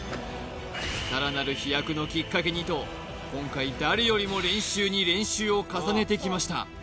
さらなる飛躍のきっかけにと今回誰よりも練習に練習を重ねてきました